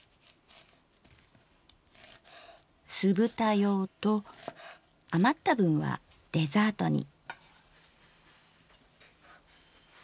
すぶた用と余った分はデザートに。